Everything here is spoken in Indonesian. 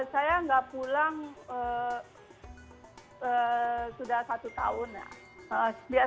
saya nggak pulang sudah satu tahun ya